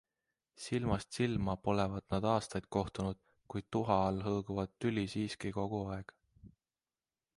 Silmast silma polevat nad aastaid kohtunud, kuid tuha all hõõguvat tüli siiski kogu aeg.